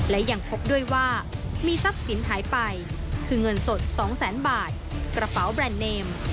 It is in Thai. และยังพบด้วยว่ามีทรัพย์สินหายไปคือเงินสด๒แสนบาทกระเป๋าแบรนด์เนม